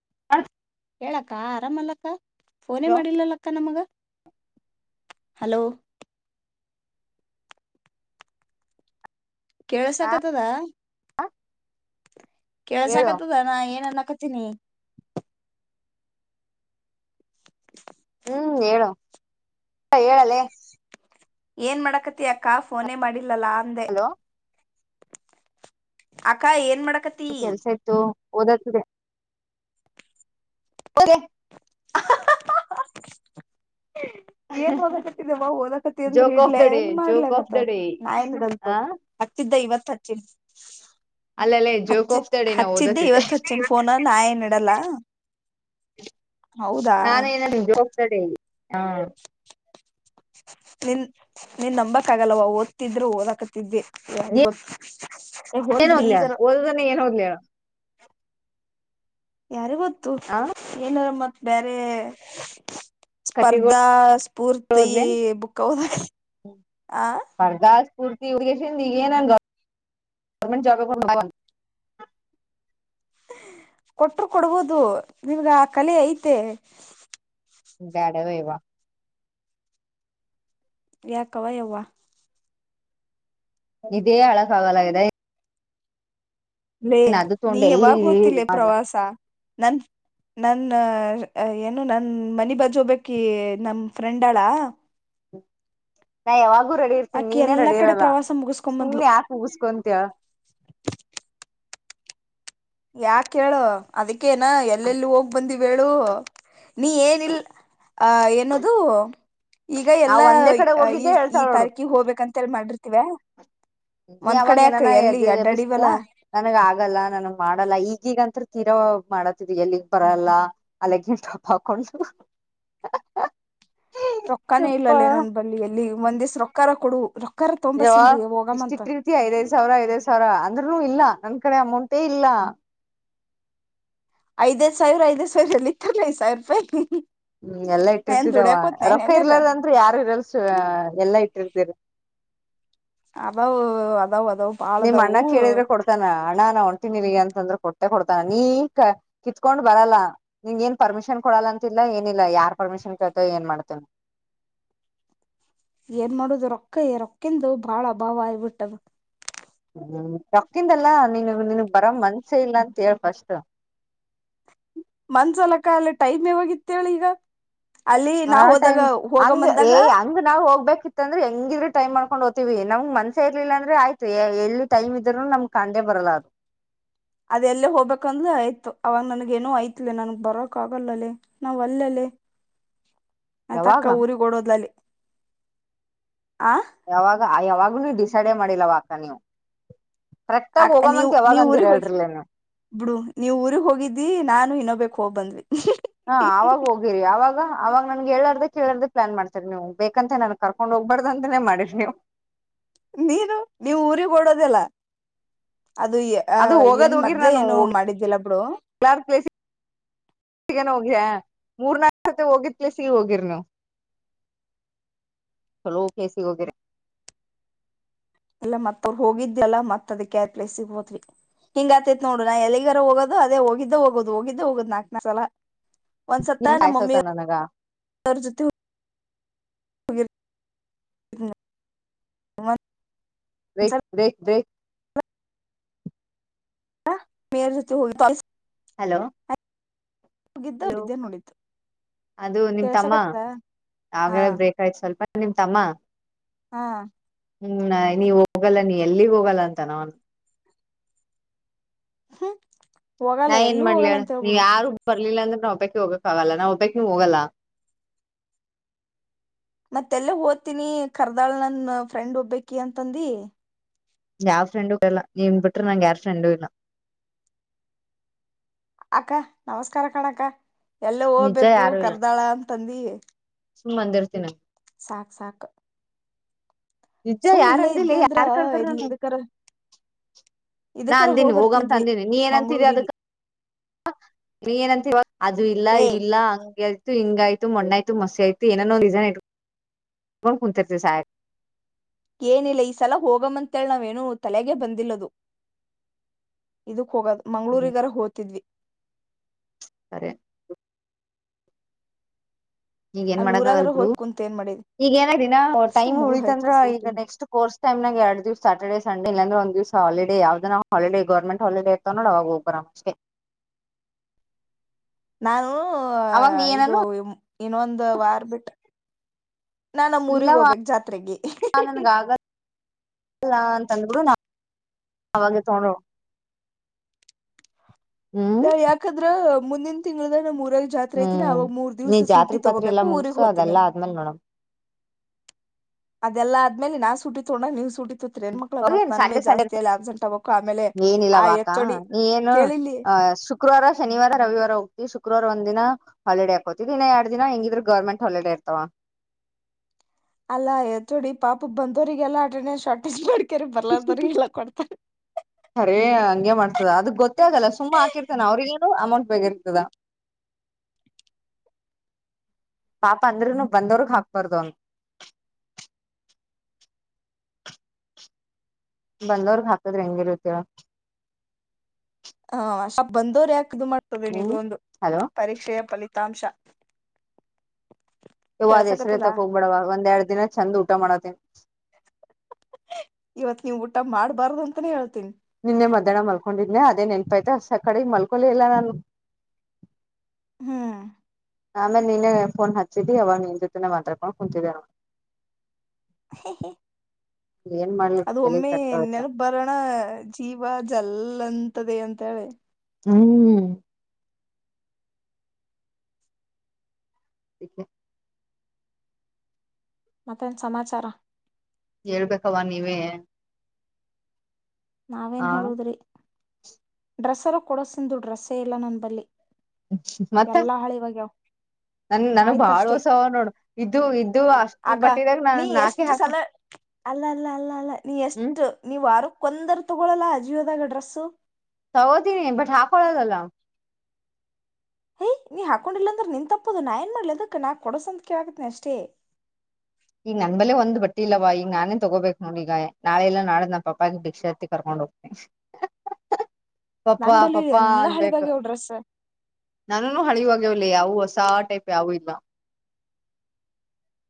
[unintelligible] ಹೇಳಕ್ಕ ಆರಾಮ್ ಅಲ್ಲಕ್ಕ ಫೋನೇ ಹಲೋ ಮಾಡಿಲ್ಲಲ್ಲಕ್ಕ ನಮಗ ಹಲೋ ಹಾ ಕೇಳಸಕತದಾ ಹೇಳು ಕೇಳಕತ್ತದ ನಾ ಏನನ್ನಾ ಕತ್ತಿನಿ ಹ್ಮ್ ಹೇಳು ಹೇಳಲೇ ಏನ್ ಮಾಡಾಕತಿ ಅಕ್ಕಾ ಫೋನೇ ಮಾಡಿಲ್ ಲ್ಲಲಾ ಅಂದೆ ಹಲೋ ಅಕ್ಕ ಏನ್ ಮಾಡ ಕೆಲ್ಸ ಇತ್ತು ಓದೋದಿದೆ ಓಕೆ ಏನ್ ಓದಕತ್ತಿದ್ಯವ್ವ ಓದಕತಿ ಅಂದ್ರ ಜೋಕ್ ಆಫ್ ಇಡ್ಲೇ ದ ಡೇ ಏನ್ ಮಾಡ್ಲೆ ಜೋಕ್ ಆಫ್ ಮತ್ತ ದ ಡೇ ನಾ ಹೆಂಗ್ ಇಡೋದ್ ಹ ತಗೊ ಹತಿದ್ದೆ ಇವತ್ತು [unintelligible] ಅಲ್ಲಲ್ಲೇ ಜೋಕ್ ಹಚ್ಚಿ ಆಫ್ ದ ಡೇ ನಾ ಹಚ್ಚಿದ್ದೆ ಓದತ್ತಿದೆ ಇವತ್ ಹಚ್ಚಿನ ಫೋನ ನಾ ಏನ್ ಇಡಲ್ಲ ಹೌದಾ ನಾನೇ ಏನ [unintelligible] ದ ಡೇ ಹಾ ನಿನ್ ನೀನ್ ನಂಬಕ್ ಆಗಲವ್ವಾ ಓದ್ತಿದ್ರು ಓದಾಕತಿದ್ದೆ ಏನ್ ಬಿಡಿ ಓದ್ಲಿ ಹೇಳ ಈಗರ ಓದೋದನ್ನೇ ಏನ್ ಓದ್ಲಿ ಹೇಳು ಯಾರಿಗ್ ಗೊತ್ ತು ಆ ಏನಾರ ಮ ಬೇರೆ ಕತೆಗಳು ಸ್ಪರ್ಧಾ ಸ್ಫೂರ್ತಿ ಓದ್ಲೆ ಬುಕ್ ಹದ ಆ ಫೂರ್ತಿ ಹುಡ್ಗನ್ ಈಗ ಏನನ್ ಗರ್ಮೆಂಟ್ ಜಾಬುಗಳೂಗು ಕೊಟ್ರು ಕೊಡ್ಬೋದು ನಿಮ್ಗ ಕಲೆ ಐತೆ ಬೇಡವ ಇವಾ ಯಾಕವಾ ಯವ್ವಾ ಇದೇ ಹಳಕ್ಕಾಗಲಾಗಿದೆ ಲೇ ತೊಂಡ್ ನೀ ಎಲ್ಲಿ ಯಾವಾಗ ಗೊತ್ತಿಲ್ಲೆ ಮಾಡ್ಲ ಪ್ರವಾಸ ನನ್ ನನ್ ಆ ಏನು ನನ್ ಮನಿ ಬಜ್ ಹೋಗ್ಬೇಕಿ ನಮ್ ಫ್ರೆಂಡ್ ಅಳ ನಾಯಾವಾಗ ರೆಡಿ ಇರ್ತೀನಿ ಆಕಿ ನೀನೇ ಎಲ್ಲಾ ರೆಡಿ ಕಡೆ ಇರಲ್ಲ ಪ್ರವಾಸ ಮುಗಸ್ಕೊಂಬಂದ್ಲು ಸುಮ್ನೆ ಯಾಕೆ ಉಗಸ್ಕೊಂತಯ ಯಾಕ್ ಕೇಳು ಅದ ಕ್ಕೆನ ಎಲ್ಲೆಲ್ಲಿ ಹೋಗ್ ಬಂದ ಹೇಳು ನೀ ಏನಿಲ್ಲ ಅ ಏನೋದು ಈಗ ನಾವ್ ಎಲ್ಲಾ ಒಂದೇ ಕಡೆ ಈ ಹೋಗಿದ್ದೆ ಈ ಹೇಳ್ತಾಳ ನೋಡು ತಾರಕಿಗೆ ಹೋಗ್ಬೇಕಂತ ಎ ಮಾಡ್ರ ವಾ ನೀ ಅವಾಗ ಏನಾನ ಎಬ್ಬಿಸ್ಯ ನನಗ ಆಗಲ್ಲ ನನ ಮಾಡಲ್ಲ ಈಗೀಗ ನಂತರ ತೀರಾ ಮಾಡತ್ತಿದರಿ ಎಲ್ಲಿಗ್ ಬರಲ್ಲ ಅಲೆ ಗಿ ಟ್ರಾಪ್ ಹಾಕೊಂಡು ರೊಕ್ಕಾನೇ ಯಪ್ಪ ಇಲ್ಲಲ್ಲೇ ನನ್ ಬಳಿ ಎಲ್ಲಿ ಒಂದ್ ದೇಸ್ ರೊಕ್ಕಕಾರ ಕೊಡು ರೊಕ್ಕ ಜವಾ ಇಷ್ಟ ಇಟ್ಟಿರ್ತಿಯ ಐದೈದ್ ಸಾವಿರ ಐದೈದ್ ಸಾವಿರವ ಅಂಗರು ಇಲ್ಲ ನನ್ ಕಡೆ ಅಮೌಂಟೇ ಇಲ್ಲ ಐದೈದ ಸಾವಿರ ಐದ್ ಸಿರ ಎಲ್ಲಿ ಇತ್ತಾನ ಐ್ಸಾವಿರ ರೂಪಾಯಿ ಹ್ಮ್ ಎಲ್ಲಾ ನಾ ಏನ್ ಇಟ್ಟಿರ್ತಿದವ ದುಡ್ಯಾಕೋತ್ನೇನ್ ರೊಕ್ಕ ಎಲ್ಲಾರ ಇರ್ಲಾರಂದ್ರ ಯಾರು ಇರಲ್ ಸುವ ಎಲ್ಲಾ ಇಟ್ಟಿರ್ತಿ ರ್ ಅದಾವ ಅದ ಅದ ನಿಮ್ ಅಣ್ಣ ಕೇಳಿದ್ರೆ ಕೊಡ್ತಾನ ಅಣ ಉಂಟ ಗೆ ಅಂತಂದ್ರ ಕೊಟ್ಟೆ ಕೊಡ್ತಾನ ನೀ ಕ ಕಿತ್ಕೊಂಡ್ ಬರಲ್ಲಾ ನಿನ್ ಏನ್ ಪರ್ಮಿಶನ್ ಕೊಡಲ್ಲ ಅಂತಿಲ್ಲ ಏನಿಲ್ಲ ಯಾರ್ ಪರ್ಮಿಷನ್ ಕೇಳ್ತೇ ಏನ್ ಮಾಡ್ತೇನ ಏನ್ ಮಾಡುದು ರೊಕ್ಕಯ ರೊಕ್ಕಂದು ಬಾಳ ಭಾವ ಆಗ್ಬಿಟ್ಟದೆ ಹ್ಮ್ ರೊಕ್ಕಿಂದಲ್ಲಾ ನೀ ನಿನು ಬರ ಮನ್ಸೆ ಇಲ್ಲ ಅಂತ ಹೇಳ ಫಸ್ಟ್ ಮಂದ್ಸಲಕ್ಕ ಅಲ್ಲ ಟೈಮ್ ಯಾವೋಗಿತ್ತೇಳ ಈಗ ಅಲ್ಲಿ ನಾ ಆ ಹೋದಾಗ ಟೈಮ್ ಹೋಗ ಹಂಗ ಏ ಬಂದಾಗ ಹಂಗ್ ನಾವ್ ಹೋಗ್ಬೇಕಿತ್ತ ಅಂದ್ರೆ ಹೆಂಗಿದ್ರರು ಟೈಮ್ ಮಾಡ್ಕ ಕಕೊಂಡ್ ಹೋಗ್ತೀವಿ ನಮ್ಗ್ ಮನ್ಸ ಇರ್ಲಿಲ್ಲ ಅಂದ್ರೆ ಆಯ್ತು ಎಲ್ಲಿ ಟೈಮ್ ಇದ್ರೂ ನಮ್ ಕಂಡೆ ಬರಲ್ಲ ಅದು ಅದೇ ಎಲ್ಲೇ ಹೋಗ್ಬೇಕಂದ್ಲ ಆಯ್ತು ಅವಾಗ ನನ್ಗೆ ಏನೋ ಐತ್ಲೆ ನನ್ಗ್ ಬರಕ್ ಆಗಲ್ಲಲೇ ನಾವ್ ಒಲ್ಲೆಲೇ ಆ್ತಕ್ಕ ಯಾವಾಗ ಊರಿಗ್ ಹೊಡದ್ಲಲಿ ಆ ಯಾವಾಗ ಯಾವಾಗ್ ನೀ ಡಿಸೈಡೇ ಮಾಡಿಲ್ಲವ ಅಕ್ಕ ನೀವು ಕರೆಕ್ಟ್ ಆಗ ಆಕ್ಕ ನೀವ್ ಹೋಗಮಂತ ಯಾವಾಗ ನೀವ್ ಅಂದಿರ ಊರಿಗೆ ಹೋಗಿ ಹೇಳ್ರಿಲ್ಲ ನೀವು ಬಿಡು ನೀವ್ ಊರಿಗಿ ಹೋಗಿದ್ದಿ ನಾನು ಇನ್ನೊ ಬಕೀ ಹೋಗ್ ಬಂದ್ವಿ ಹಾ ಆವಾಗ ಹೋಗಿರಿ ಯಾವಾಗ ಅವಾಗ ನನ್ಗೆ ಹೇಳಾರ್ದ ಕೇಳಾರ್ದ ಪ್ಲಾನ್ಮಾಡ್ತೀರಿ ನೀವು ಬೇಕಂತ ನನ್ಗ್ ಕರ್ಕೊಂಡ್ ಹೋಗ್ಬಾರ್ದು ಅಂತಾನೇ ಮಾಡಿರಿ ನೀವು ನೀನು ನೀವು ಊರಿಗೆ ಓಡೋದೆಲ್ಲ ಅದು ಅ ಅದು ಹೋಗೋದ್ ಏನ್ ಹೋಗಿರಿ ಮೊದ್ಲೆೇ ಏನು ಮಾಡಿದ್ದಿಲ್ಲ ಬಿಡು ಗ ಹೋಗ್ಯವ ಮೂರ್ನಾಲ್ಕ ಹೋಗಿದ್ ಪ್ಲೇಸಿಗೆ ಹೋಗಿರಿ ನೀವು ಚೋಲಾ ಪ್ಲೇಸಿಗೆ ಹೋಗಿರಿ ಇಲ್ಲ ಮತ್ತ ಅವ್ರು ಹೋಗಿದಲ್ಲ ಮತ್ದಕ್ಕೆ ಪ್ಲೇಸಿಗೆ ಹೋದ್ವಿ ಹಿಂಗ ಆತೈತ್ ನೋಡು ನಾ ಎಲ್ಲಿಗಾರ ಹೋಗೋದು ಅದೇ ಹೋಗಿದ್ದ ಹೋಗೋದು ಹೋಗಿದ್ದೆ ಹೋಗುದು ನಾಕ ನಾಕ ಸಲ ಒಂದ್ ಸತ್ತ ನಿಮ್ ನಮ್ಮ ಕಾಯ್ಸಸ ಮಮ್ಮಿರ ನನಗ ಜೊತೆ [inaudible] ರೇ ರೇ ರೇ ಬೇರ ಜೊತೆ ಹೋಗ ಜೋಗ ಹಲೋ ಹಲೋ ಬಿದ್ದೆ ನೋಡಿದ್ದು ಅದು ನಿಮ್ ತಮ್ಮ ಕೆಳ್ಸಕತ್ತದ ಹಾ ಆವೇಗ ಬ್ರೇಕ್ ಆಯ್ತು ಸ್ವಲ್ಪ ನಿಮ್ ತಮ್ಮ ಹಾ ಹ್ಮ್ ನೀವ ಹೋಗಲ್ಲ ನೀ ಎಲ್ಲಿಗ್ ಹೋಗಲ್ಲ ಅಂತ ನವನ್ ಹ್ಮ ನಾ ಏನ್ ಮಾಡ್ಲಳ ನೀವ ಯಾರು ಬರ್ ಲಿಲ್ಲ ಅಂದ್ರೆ ನಾವು ಒಬಕೆ ಹೋಗಕ್ ಆಗಲ್ಲ ನಾ ಒಬಕೆ ನಾ ಹೋಗಲ್ಲ ಮತ್ತೆಲ್ಲ ಹೊತಿನಿ ಕರ್ದಾಳ್ ನನ್ ಫ್ರೆಂಡ್ ಒಬ್ಬಕಿ ಅಂತಂದಿ ಯಾವ ಫ್ರೆಂಡು ಇಲ್ಲ ನೀನ್ ಬಿಟ್ರೆ ನನಗ ಯಾರ ಫ್ರೆಂಡು ಇಲ್ಲ ಅಕ್ಕಾ ನಮಸ್ಕಾರ ಕಣಕ್ಕ ಎಲ್ಲ ನಿಜ ಹೋಗ್ಬೇಕು ಯಾರು ಇಲ್ಲ ಕರ್ದಾಳ ತಂದಿ ಸುಮ್ ಅಂದಿರ್ತೀನಿ ಸಾಕ್ ಸಾಕ ನಿಜ ಯಾರ್ ಅಂದಿಲೀ ಅಂದ್ರ ಯಾರ್ ಕೆರೆದರೂ ಇಲ್ಲಿ ನಾನು ಇದಕರ ನಾ ಇದಕರ ಹೋಗ್ ಅಂದೀನಿ ಹೋಗಂ ಬರ್ತಿದ್ವಿ ಅಂದೀನಿ ನೀ ಏನಂತೀರಿ ಮಂಗ್ಗಳೂರಿಗೆ ಅದಕ್ ನೀ ಏನಂತೆ ಹೋಗು ಅದು ಇಲ್ಲ ಇದು ಏಯ್ ಇಲ್ಲ ಹಂಗೆ ಹಿಂಗ ಆಯ್ತು ಮಣ್ಣ ಆಯ್ತು ಮಸಿ ಆಯ್ತು ಏನನೋ ರೀಸನ್ ಇ ಕುಂತರ್ತಿರಿ ಸ ಏನಿಲ್ಲ ಈ ಸಲ ಹೋಗಮಂತೇಳ ನಾವೇನು ತಲೆಗೆ ಬಂದಿಲ್ಲದು ಇ ಹೋಗೋದ ಹ್ಮ್ ಮಂಗ್ಳೂರಿಗಾರ ಹೋಗ್ತಿದ್ವಿ ಸರಿ ಈಗ ಏನ್ ಅಲ್ಲಿ ಮಾಡಾಕ್ ಆಗಲ್ ಊರಾಗಾರ ಬಿಡು ಹೋಗಿ ಕುಂತ ಏನ್ ಈಗ ಏನಿನ ಮಾಡಿದ್ವಿ ಟೈಮ್ ಮುಗ ಉಳಿತಂದ್ರ ಆಯ್ತು ಸೂಟಿನ ಈಗ ನೆಕ್ಸ್ಟ್ ಕೋರ್ಸ್ ಟೈಮ್ನಾಗ ಎರಡು ದಿವ ಅಟೆಂಡೆನ್ಸ್ ಸ ಇಲ್ಲಾಂದ್ರೆ ಒಂದ್ ದಿವ್ಸ ಹಾಲಿಡೇ ಯಾವ್ದ ನಾವ್ ಹಾಲಿಡಡೆ ಗೌರ್ಮೆಂಟ್ ಹಾಲಿಡೇ ಇರ್ತವ ನೋಡ ಅವಾಗ ಹೋಗಬ್ರರ ಅಷ್ಟೆ ನಾನು ಇದು ಏನಾನು ಇನ್ನೊಂದು ವಾರ್ ಬಿಟ್ಟ ನಾನ್ ನಮ್ಮ ಊರಿಗೆ ಇಲ್ಲವಾ ಹೋಗ್ಬೇಕು ಜಾತ್ರೆಗೆ ಅಲ್ಲ ಅಂತಂದ್ಬಿಡು ನಾ ಅವಾಗೆ ತೊಂಡೋ ಸ ಯಾಕಾದ್ರ ಮುಂದಿನ ತಿಂಗಳು ತರ ಮ ಹ್ಮ್ ನೀ ಜಾತ್ರೆ ಪಾತ್ರಿ ಎಲ್ಲಾ ತಗೋಬೇಕು ಊರಿಗ್ ಮುಗಸು ಹೋತೀನಿ. ಅದೆಲ್ಲಾ ಆದ್ಮೇಲ್ ನೋಡಮ ಅದೆಲ್ಲಾ ಆದ್ಮೇಲೆ ನಾ ಸುಟ್ಟಿ ತೋಣ ನೀವು ಸುಟ್ಟಿ ಸ ಸ ಆಗ್ಬೇಕು ಆಮೇಲೆ ಏನಿಲ್ಲ ಆ ವಾಕಾ ಎಚ್.ಓ.ಡಿ ನೀ ಏನು ಕೇಳಿಲ್ಲಿ ಅ ಶುಕ್ರವಾರ ಶನಿವಾರ ರವಿವಾರ ಹೋಗ್ತಿವಿ ಶ ಶುಕ್ರವಾರ್ ಒಂದ್ಿನ ಹಾಲಿಡೇ ಹಾಕೋತಿದ್ದ ಇನ್ನ ಎರಡ್ ದಿನ ಹೆಂಗಿದ್ರರು ಗೌರ್ಮೆಂಟ್ ಹಾಲಿಡೇ ಇರ್ತವ ಅಲ್ಲಾಯಚೂಡಿ ಪಾಪ ಬಂದೋ್ರರಿಗೆಲ್ಲಾ ಆಟ ಶಾರ್ಟೇಜ್ ಮಾಡ್ ರಿೇ ಹಂಗಗೆ ಮಾಡ್ಸ ಅದು ಗೊತು ಆಲ್ಲ ತುಂಬಾಹಾಕಿರ್ತನೆ ಅವ್ರರಿಗೆಲ್ಲ ಅಮೌಂಟ್ ಬೇಗರ್ತದ ಪಾಪ ಅಂದ್ರನು ಬಂದವ್ರಗ್ ಹಾಕ್ಬಾರ್ದು ಅಂತ ಬಂದರು ಹಾಕದ ರಂಗಿರುತ ಹೇಳು ಹ ಸಪ ಬಂದವ್ರ ಯಕೆ ದು ಹ್ಮ್ ಮಾಡ್ತದೆೇನೆದುೊಂದು ಹಲೋ ಪರೀಕ್ಷೆಯ ಫಲಿತ ತಾಮಶ ಇವ್ ಹೆಸ್ರ ತಕ ಹೋಗ್ಬೇಡವ ಒಂದ್ೆರಡ್ ದಿನ ಚೆಂದ ಊಟ ಮಾಡತ್ತೇನಿ ನೀವು ಊಟ ಮಾಡಬಾರಅಂತಾನೆ ಅಂತಾನೇಳ್ತಿ ನಿನ್ನೆ ಮಧ್ಯಾಹ್ನ ಮಲ್ಕೊಂಡಿದ್ದ ಅದೇ ನೆನ್ಪೈತೆ ಸ ಕಡೆ ಮಲ್ಕೊಲ ಇಲ್ಲ ನಾನು ಹ್ಮ್ ಆ ಆಮೇಲೆ ನೀನ್ನೇ ಫೋನ್ ಹಚ್ಚಿದಿ ಅವಾಗ ನಿನ್ ಜೊತೆನೆ ಮಾತ್ರಾಡ್ಕೊಂಡ ಕುಂತಿದ ಏನ್ ಮಾಡ್ಲಿ ಅದು ತಲಿ ಒಮ್ಮೆ ಕೆಟ್ಟೋಯ್ತು. ನೆನಪೂ ಬರೋಣ ಜೀವ ಜಲ್ಲ ಲ್ಲಂತದೆ ಅಂತ ಹೇಳೆ ಹ್ಮ್ ಹ್ಮ್ ಮತ್ತೇನ್ ಸಮಾಚಾರ ಹೇಳ್ಬೇಕವ ನೀವೇ ಹ ನಾವೇನ್ ಹೇಳುದ್ರಿ ಡ್ರೆಸ್ಸರು ಕೊಡೋಸಂದು ಡ್ರೆಸ್ಸೇ ಇಲ್ಲ ನನ್ ಬಲ್ಲಿಿ ಮತ್ತ ನನ್ ನನಗ್ ಬಾಳ್ ಆಯ್ತಷ್ಟೇ ಹೊಸವ ಅವ ನೋಡು ಇದು ಇದದು ಅಷ್ಟ್ರ ಅಕ್ಕ ಬಟ್ಟಿದಾಗ ನಾ ನೀ ನಾಕೆ ಎಷ್ಟು ಹಾಕ ಸಲ ಅಲ್ಲ ಅಲ್ಲ ಅಲ್ಲ ಅಲ್ಲ ನೀ ಹ್ಮ್ ಎಷ್ಟು ನೀವು ವಾರ ಕೊಂದರು ತಗೊಳಲ್ಲ ಅಜಿಯೋದಾಗ ಡ್ರೆಸ್ಸು ಹೌದು ನೀ ಬಟ್ ಹಾಕಳದಲ್ಲ್ ಹಯ್ ನೀ ಹಾಕೊಂಡಿಲ್ಲಾಂದ್ರ ನಿನ್ ತಪ್ಪೋದು ನಾ ಏನ್ ಮಾಡ್ಲಿ ಅದಕ್ಕೆ ನಾಕ್ ಕೊಡೋಸಂದ ಕವಗತ್ನಿ ಅಷ್ಟೇ ಈಗ ನನ್ಬಲೆೆ ಒಂದ್ ಬಟ್ಟಿ ಇಲ್ಲವಾ ಈಗ ನಾನೇ ತಗೋಬೇಕಕ್ ನೋಡಿ ಈಗ ನಾಳೆ ಎಲ್ಲಾ ನಾಡ ನಾ ಪಪ್ಪಾಗ ಭಿಕ್ಷಾ ಹತ್ತಿ ಕರ್ಕೊಂಡ್ ಹೋಗ್ತನೆ ಪಪ್ಪ ನನ್ ಬಲಿ ಪಪಾ ಎಲ್ಲಾ ಅನ್ಬೇಕು ಹಳಿವಾಗ್ಯಾವ್ ಡ್ರೆಸ್ ನಾನವೂನು ಹಳಿವು ಆಗೇವ್ ಅವಸಾ ಆ ಟೖಪು ಯಾವು ಇಲ್ಲ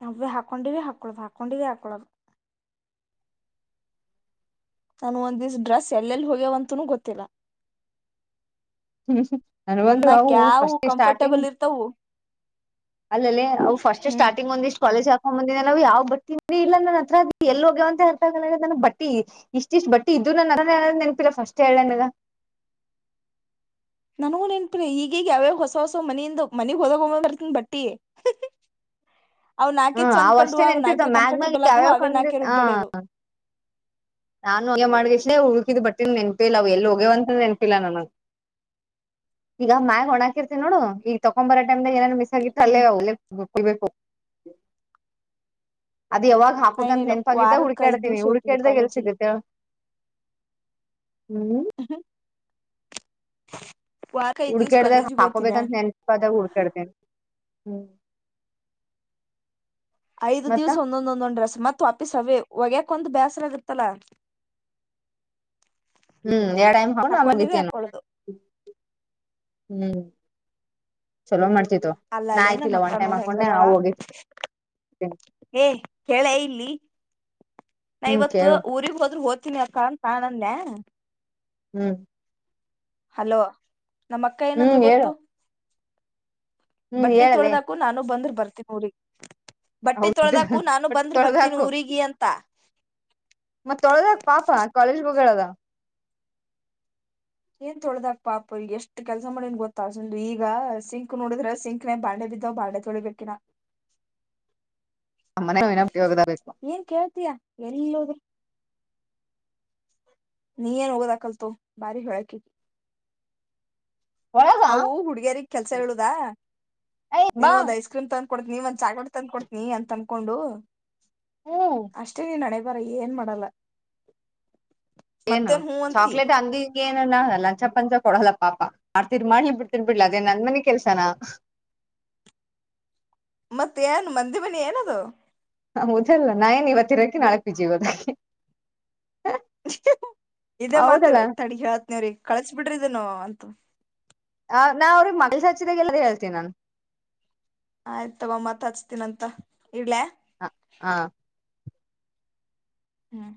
ನಾವೇ ಹಾಕೊಂಡಿವವಿ ಹಾಕೊಳದು ಹಾಕೊಂಡಿವ ಹಾಕೊಳದು ನಾನು ಒಂದಿವ್ ಡ್ರೆಸ್ ಎಲ್ಲೆಲ್ಲಿ ಹೋಗ್ಯವಂತೂನೂ ಗೊತ್ತಿಲ್ಲ ಹ್ಮ್ ನನ್ ಒಂದ್ ಬಂದು ನಾಕ್ ಅವು ಯಾವು ಫಸ್ಟ್ ಸ್ಟಾರ್ಟಿಂಗ್ ಕಂಫರ್ಟಬಲ್ ಇರ್ತಾವು ಅಲ್ಲಲ್ಲಿ ಅವು ಫಸ್ಟ್ ಹ್ಮ್ ಸ್ಟಾರ್ಟಿಂಗ್ ಒಂದಿಷ್ಟ್ ಕಾಲೇಜ್ ಆಗ್ ಹ್ಂದಿನ ನವು ಯಾವ್ ಬಟ್ಟಿ ಇಲ್ಲ ನನ್ನ ಹತ್ರದ ಎಲ್ಲಿ ಹೋಗ್ಯವ ಅಂತ ಹೇಳ್ತಾಗ ನನ್ ಬಟ್ಟಿ ಇಷ್ಟ ಇಷ್ಟ್ ಬಟ್ಟಿ ಇದ್ದ್ ನನ್ತನೆನಪಿಲ್ಲ ಫಸ್ಟ್ ಹೇಳೇನದ ನನ್ಗೂನ್ ನ್ಪ್ರ ಈಗೀಗ್ ಯಾವ್ಯಾವ ಹೊಸ ಹೊಸ ಮನಿಂದ ಮನಗ್ ಹೊದ ಬರ್ತನ್ ಬಟ್ಟಿ ಅವ್ ನಾಕೆ ಹ್ಮ್ ಚಂದ್ಕೊಂಡು ಅಷ್ಟೇ ಅವ್ ನಾಕೆ ನೆನ್ಪಿರ್ತಾವ ಮ್ಯಾಗ್ ಮ್ಯಾಗ ಕಂಫರ್ಟಬಲ್ ಅದು ಯಾವ್ಯಾವ ಅವೇ ಕಂಡ ನಾಕೆ ಹ ರುಬ್ಬಡ್ಯದು ನಾನು ಒ ಮಾಡ್ಲೇ ಉುಡುಕಿದ್ ಬಟ್ಟಿನ ನೆನ್ಪು ಇಲ್ಲವು ಎಲ್ಲಿ ಹಗೆಯವಂತ ನೆನ್ಪಿಲ್ಲ ನನಗ್ ಈಗ ಮ್ಯಾಗ ಒಣಾಕಿರ್ತಿ ನೋಡು ಈಗ ತಕೊ ಬರೋಟೈಮ್ಗ ಏನ ಗ ಹ್ಮ್ ತಲ್ಲೆಲ್ಲಬೇಕ ಹ ಅದ ಯಾವಾಗ ನಾ ಏನಿಲ್ಲ ಹಾಪಕ್ಂತೆಪಾಗಿದ್ದ ವಾರಕ್ ಐದ್ ಹುಕಾಡ್ತಿನಿ ದಿವ್ಸ ಹೋಗ್ತೀವಿ ಹುಡುಕಾಡಾಗ ಎಲ್ ಕಾಲೇಜಿಗೆ ರ ಹ್ಮ್ ರ ಹುಡ್ಕಾಡ್ದಾಗ ಹಾಕೋಬೇಕಂತ ನೆನ್ಪದಾಗ ಹುಡ್ಕಾಡ್ತೇನಿ ಹ್ಮ್ ಐದ ಮತ್ತ ದಿವಸ ಒಂದೊಂದೊಂದೊಂದ್ ರೆಸ್ ಮತ್ತೆ ಮ ವಾಪೀಸ್ ಅವೇ ಹೊಗೆಯಕ ಒಂದು ಬೇಸರ ಇರ್ತ್ತಲ ಹ್ಮ್ ಎಟೈಮ್ ಹೌ ಆಕ್ಕೆನು ಹಾಕೊಳ್ಳೋದು ಹ್ಮ್ ಚಲೋ ಮಾಡ್ತ ಅಲ್ಲ ಅಲ್ಲ ನ ಮಕ್ಕಳ ನೋಡ್ರಿ ಹೆಂಗದಾಳ ಒಗಿತೀನಿ ಏ ಕ್ಯ ಇಲ್ಲಿ ನಾ ಹ್ಮ್ ಇವತ್ತು ಕೇಳು ಊರಿಗೆಗ್ ಹೋದ್ರರು ಹೋತೀನಿ ಆ ಕಣ ಕ ದ ಹ್ಮ್ ಹಲೋ ನಮ್ಮ ಅಕ್ಕ ಹ್ಮ್ ಏನಂದ್ಲು ಹೇಳು ಗೊತ್ತು ಹ್ಮ್ ಬಟ್ಟೆ ಹೇಳಲೆ ತೊಳದಕೂ ನಾನು ಬಂದ್ ಬರ್ತ ನೋರಿ ಹೌ ಬಟ್ಟೆ ತೊಳದಕು ನಾನು ಬಂದ್ರ ಬರ್ತೀನಿ ಊಗಿ ಅಂತ ಮತ್ತೊಳದಾಗ ಪಾಪ ಕಾಲೇಜ್ ಹೋಗದ ಏನ್ ತೊಳ್ದಕ್ಪ್ಪಾಪ ಎಷ್ಟ್ ಕೆಲ್ಸ ಮಾಡನ್ ಗೊತ್ತ ಅಸ ಈಗ ಸಿಂಕ್ ನೋಡಿದ್ರ ಸಿಂಕ್ನೆ ಬಾಂಡೆ ಬಿದ್ದಾವ್ ಬಾಂಡೆ ತೊಳಿಬೇಕಿನ ಮನೆ ಒಗದಾಬೇಕು ಏನ್ ಕೇಳ್ತೀಯಾ ಎಲ್ಲದ್ರಿ ನೀ ಏನ್ ಹೋಗೋದ ಕಲ್ತು ಬಾರಿ ಹೇಳಕಿಗೆ ಒಳಗ ಅವು ಹುಡುಗಿಯರಿಗ್ ಕೆಲ್ಸ ಹೇಳುದಾ ನೀನ್ ಬಾ ಒಂದ್ ಐಸ್ ಕ್ರೀಮ್ ತಂದ ಕೊಡ್ನ ನೀ ಒಂದ್ ಚಾಗಡ್ ತಂದ ಕೊಡ್ತನಿ ಅಂತ ಅಂದಕೊಂಡು ಹ್ಮ್ ಅಷ್ಟೇ ನೀನ್ ನಡ ಬರ ಏನ್ ಮಾಡಲ್ಲ ಏನು ಮತ್ತೇನ್ ಹೂ ಅಂತಿ. ಚಾಕ್ಲೇಟ್ ಅಂದಿ ಏನ್ ಲಂಚ ಪಂಚ ಕೊಡಲ್ಲ ಪಾಪಾ ಮಾಡ್ತರ್ ಮಾಡಿ ನೀನ್ ಬಿಡ್ತರ್ ಬಿಡ್ಲ ಅದೇನ್ ನಂದ ಮನೆಿ ಕೆಲ್ಸನಾ ಮತ್ತೆ ಯ ಮಂದಿ ಬನಯ ನದು ಹ ಮುಜಲ ನಾಏನ್ ಇವತ್ತರಕಿ ನಾಳೆ ಪಿಜಿದಕ್ಕೆ ಇದೇ ಮಾತ್ರ ತಡಗ ಹತ್ನವ್ರೀ ಕಳ್ಸ ಬಿಡ್ರಿ ಇದನು ಹ ಹ ನಾ ಅವ್ರಗ್ ಮ ಹಚ್ಚಿದಾಗ ಎಲ್ಲ ಹೇಳ್ತೀನಿ ನಾನು ಆಯ್ತಮ್ಮ ಮತ್ ಹಚ್ತೀನಂತ ಇಡ್ಲೆೇ ಹ ಹಾ ಹ್ಮ್